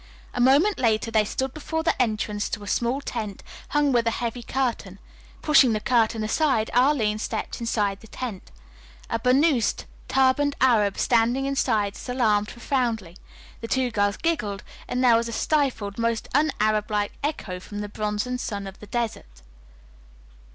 A moment later they stood before the entrance to a small tent, hung with a heavy curtain. Pushing the curtain aside, Arline stepped into the tent. A burnoosed, turbaned Arab standing inside salaamed profoundly. The two girls giggled, and there was a stifled, most un Arab like echo from the bronzed son of the desert.